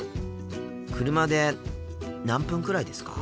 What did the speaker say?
車で何分くらいですか？